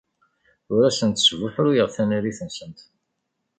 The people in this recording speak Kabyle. Ur asent-sbuḥruyeɣ tanarit-nsent.